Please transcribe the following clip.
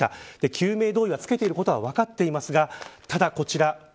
救命胴衣を着けていることは分かっていますがただ、こちら。